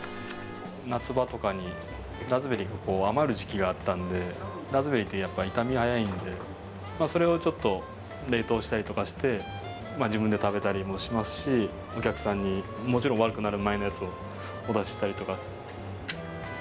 夏場とかにラズベリーが余る時期があったんでラズベリーってやっぱ傷みが早いんでそれをちょっと冷凍したりとかして自分で食べたりもしますしお客さんにもちろん悪くなる前のやつをお出ししたりとか。